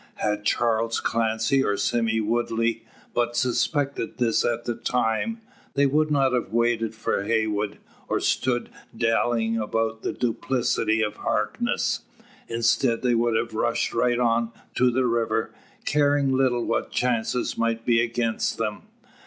Had Charles Clancy or Sime Woodley but suspected this at the time, they would not have waited for Heywood, or stood dallying about the duplicity of Harkness. Instead, they would have rushed right on to the river, caring little what chances might be against them.